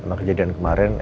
sama kejadian kemarin